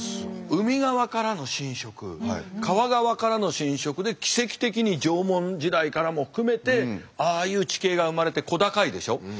海側からの浸食川側からの浸食で奇跡的に縄文時代からも含めてああいう地形が生まれて小高いでしょ。